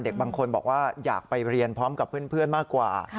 บางคนบอกว่าอยากไปเรียนพร้อมกับเพื่อนมากกว่า